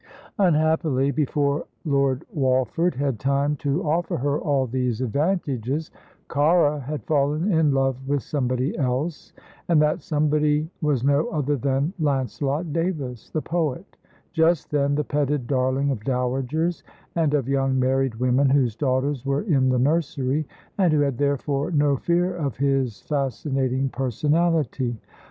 Unhappily, before Lord Walford had time to offer her all these advantages, Cara had fallen in love with somebody else, and that somebody was no other than Lancelot Davis, the poet, just then the petted darling of dowagers, and of young married women whose daughters were in the nursery, and who had therefore no fear of his fascinating personality.